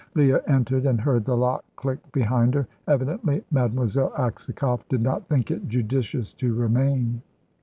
Leah entered and heard the lock click behind her. Evidently Mademoiselle Aksakoff did not think it judicious to remain.